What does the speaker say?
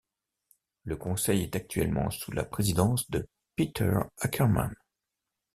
Le conseil est actuellement sous la présidence de Peter Ackerman.